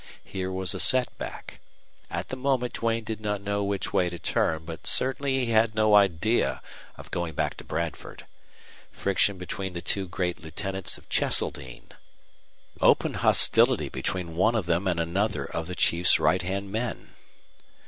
Here was a setback. At the moment Duane did not know which way to turn, but certainly he had no idea of going back to Bradford. Friction between the two great lieutenants of Cheseldine! Open hostility between one of them and another of the chief's right hand men!